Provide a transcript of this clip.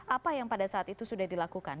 apa yang pada saat itu sudah dilakukan